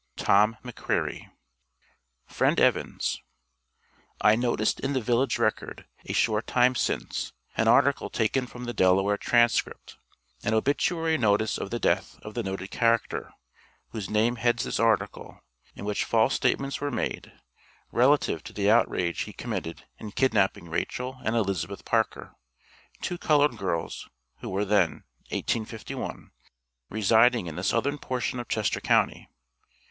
TOM M'CREARY. FRIEND EVANS: I noticed in the "Village Record," a short time since, an article taken from the Delaware "Transcript," an obituary notice of the death of the noted character, whose name heads this article, in which false statements were made, relative to the outrage he committed in kidnapping Rachel and Elizabeth Parker, two colored girls who were then, 1851, residing in the southern portion of Chester county.